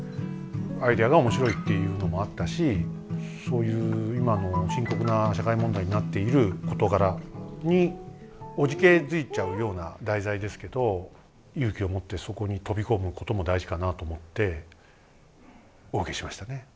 アイデアが面白いっていうのもあったしそういう今の深刻な社会問題になっている事柄におじけづいちゃうような題材ですけど勇気を持ってそこに飛び込むことも大事かなと思ってお受けしましたね。